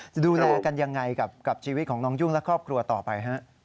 จะดูแลกันยังไงกับชีวิตของน้องยุ่งและครอบครัวต่อไปฮะ